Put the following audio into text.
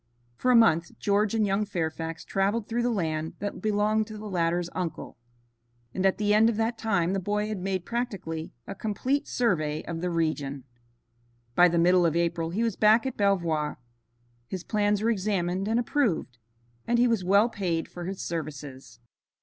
For a month George and young Fairfax traveled through the land that belonged to the latter's uncle, and at the end of that time the boy had made practically a complete survey of the region. By the middle of April he was back at Belvoir. His plans were examined and approved, and he was well paid for his services.